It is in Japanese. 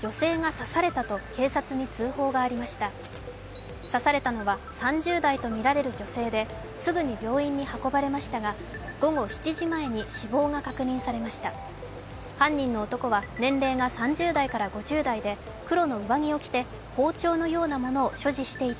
刺されたのは３０代とみられる女性で、すぐに病院に運ばれましたが午後７時前に死亡が確認されました。